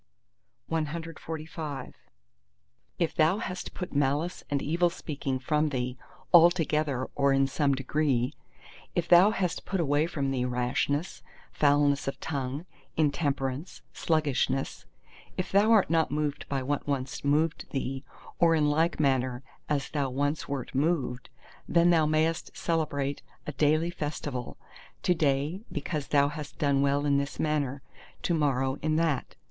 CXLVI If thou hast put malice and evil speaking from thee, altogether, or in some degree: if thou hast put away from thee rashness, foulness of tongue, intemperance, sluggishness: if thou art not moved by what once moved thee, or in like manner as thou once wert moved—then thou mayest celebrate a daily festival, to day because thou hast done well in this manner, to morrow in that.